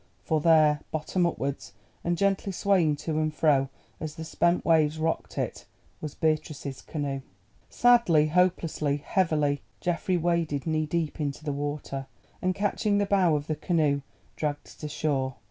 For there, bottom upwards, and gently swaying to and fro as the spent waves rocked it, was Beatrice's canoe. Sadly, hopelessly, heavily, Geoffrey waded knee deep into the water, and catching the bow of the canoe, dragged it ashore.